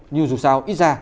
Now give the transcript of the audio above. nhưng dù sao ít ra